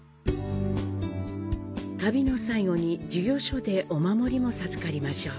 旅の最後に授与所でお守りも授かりましょう。